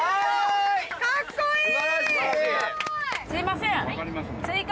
すいません。